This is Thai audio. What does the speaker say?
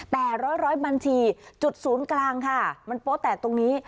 แต่ร้อยบัญชีจุดศูนย์กลางค่ะมันโป๊แตกตรงนี้